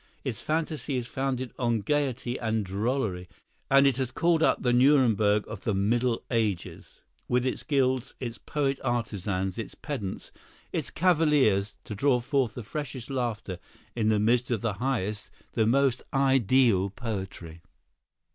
Its fantasy is founded on gayety and drollery, and it has called up the Nuremberg of the Middle Ages, with its guilds, its poet artisans, its pedants, its cavaliers, to draw forth the freshest laughter in the midst of the highest, the most ideal poetry."